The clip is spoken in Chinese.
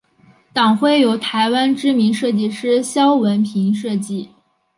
党徽由台湾知名设计师萧文平设计。